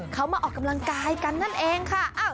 เขามาออกกำลังกายกันนั่นเองค่ะ